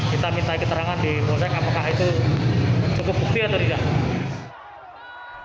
kita minta keterangan di polsek apakah itu cukup bukti atau tidak